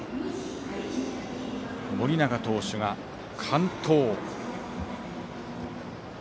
盛永投手が完投。